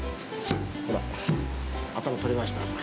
ほら頭取れました。